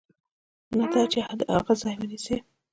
نه دا چې د هغه ځای ونیسي.